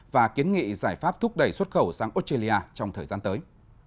và kiến nghị giải pháp thúc đẩy xuất khẩu sang australia trong thời gian tới